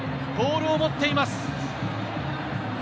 ボールを持っています。